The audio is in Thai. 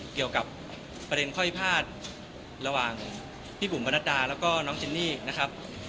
เกี่ยวกับประเด็นข้อพิพาทระหว่างพี่บุ๋มประนัดดาแล้วก็น้องจินนี่นะครับ